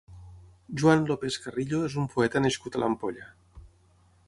Juan López-Carrillo és un poeta nascut a l'Ampolla.